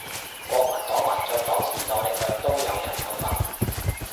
國民黨民進黨時代力量都有人有份